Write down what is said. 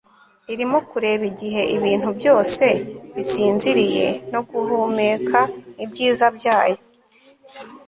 irimo kureba igihe ibintu byose bisinziriye no guhumeka ibyiza byayo